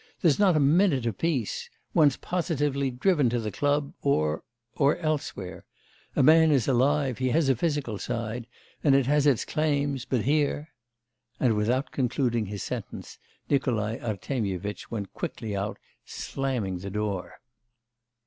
There's not a minute of peace. One's positively driven to the club... or, or elsewhere. A man is alive, he has a physical side, and it has its claims, but here ' And without concluding his sentence Nikolai Artemyevitch went quickly out, slamming the door.